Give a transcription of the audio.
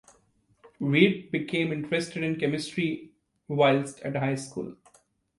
Reid became interested in chemistry whilst at high school.